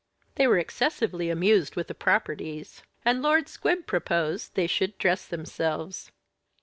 They were excessively amused with the properties; and Lord Squib proposed they should dress themselves.